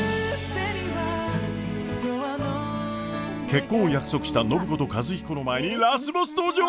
結婚を約束した暢子と和彦の前にラスボス登場！？